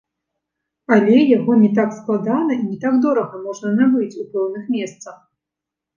Але яго не так складана і не так дорага можна набыць у пэўных месцах.